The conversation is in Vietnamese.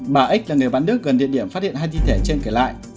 bà x là người bắn đứt gần địa điểm phát hiện hai thi thể trên kể lại